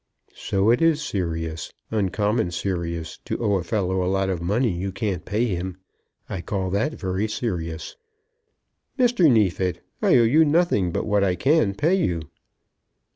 "So it is serious, uncommon serious to owe a fellow a lot of money you can't pay him. I call that very serious." "Mr. Neefit, I owe you nothing but what I can pay you."